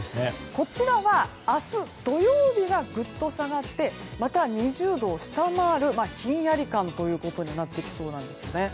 こちらは、明日土曜日はぐっと下がってまた２０度を下回るひんやり感となってきそうです。